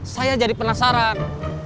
saya jadi penasaran